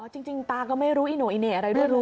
จริงตาก็ไม่รู้อีโน่อีเหน่อะไรด้วยรู้